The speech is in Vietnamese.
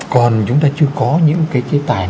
còn chúng ta chưa có những cái chế tài